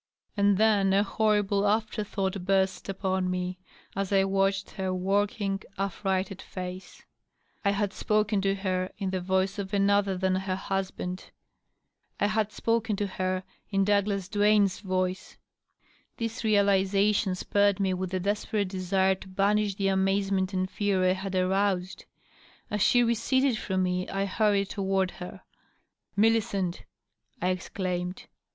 And then a horrible after thought burst upon me as I watched her working, affrighted face : I had spoken to her in the voice of another than her husband. I had spoken to her in' Douglas Duam^s voice. This realization spurred me with a desperate desire to banish the amazement and fear I had aroused. As she receded from me I hurried toward her. " Millicent !" I exclaimed.